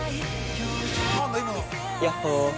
◆ヤッホー。